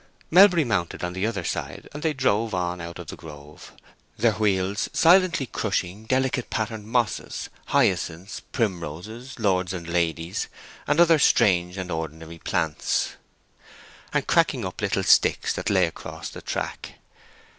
Melbury mounted on the other side, and they drove on out of the grove, their wheels silently crushing delicate patterned mosses, hyacinths, primroses, lords and ladies, and other strange and ordinary plants, and cracking up little sticks that lay across the track.